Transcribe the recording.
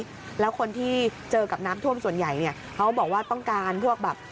แล้วคนที่เจอกับน้ำท่วมส่วนใหญ่เนี่ยเขาบอกว่าต้องการพวกแบบ